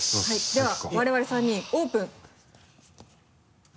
では我々３人オープン。